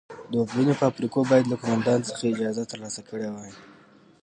د اوبدنې فابریکو باید له قومندان څخه اجازه ترلاسه کړې وای.